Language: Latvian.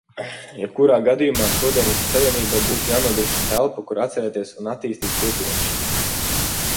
Jebkurā gadījumā, šodienas Savienībai būtu jānodrošina telpa, kur atcerēties un attīstīt Kopienu.